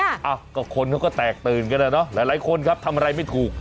อ้าวก็คนเขาก็แตกตื่นกันอ่ะเนอะหลายคนครับทำอะไรไม่ถูก